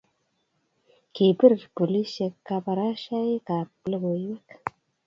kipir polisek kabarashaik ab lokoiywek